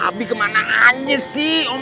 abi kemana aja sih